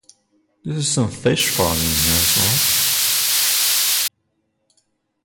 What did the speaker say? There is some fish-farming here as well.